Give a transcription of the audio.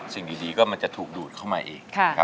สิ่งดีก็ถูกดูดเข้ามาเอง